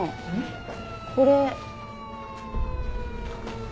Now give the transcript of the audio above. これ。